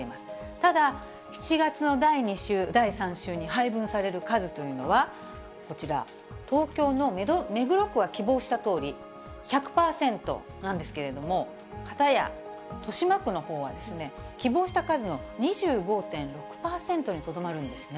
ただ、７月の第２週、第３週に配分される数というのは、こちら、東京の目黒区は希望したとおり、１００％なんですけれども、片や豊島区のほうは、希望した数の２５．６％にとどまるんですね。